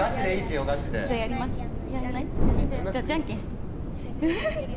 じゃあ、じゃんけんして。